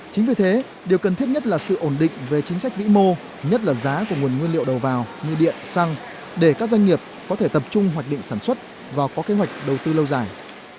chính vì thế điều cần thiết nhất là sự ổn định về chính sách vĩ mô nhất là giá của nguồn nguyên liệu đầu vào như điện xăng để các doanh nghiệp có thể tập trung hoạch định sản xuất và có kế hoạch đầu tư lâu dài